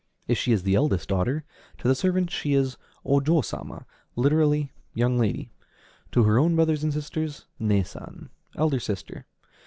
If she is the eldest daughter, to the servants she is O Jō Sama, literally, young lady; to her own brothers and sisters, Né San, elder sister.